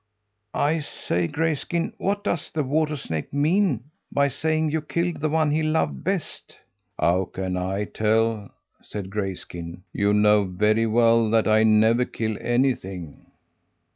"I say, Grayskin, what does the water snake mean by saying you killed the one he loved best?" "How can I tell?" said Grayskin. "You know very well that I never kill anything."